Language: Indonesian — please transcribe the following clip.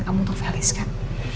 kamu untuk felis kan